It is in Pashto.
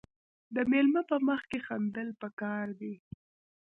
د میلمه په مخ کې خندل پکار دي.